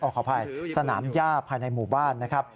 ขออภัยสนามย่าภายในหมู่บ้านนะครับ